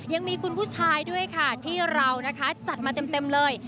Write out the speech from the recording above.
ยังมีคุณผู้ชายด้วยค่ะที่เรานะคะจัดมาเต็มเลย